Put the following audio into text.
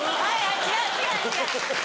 違う違う違う！